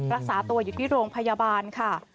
รักษาตัวอยู่ที่โรงพยาบาลค่ะ